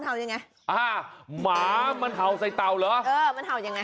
หมามันเห่าเต่ามันเห่าอย่างไร